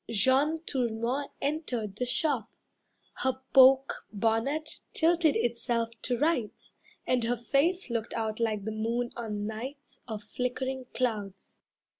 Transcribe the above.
Jeanne Tourmont entered the shop, her poke Bonnet tilted itself to rights, And her face looked out like the moon on nights Of flickering clouds.